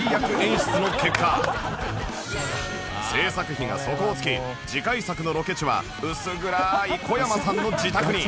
制作費が底をつき次回作のロケ地は薄暗いこやまさんの自宅に